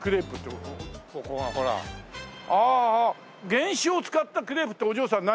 原酒を使ったクレープってお嬢さん何？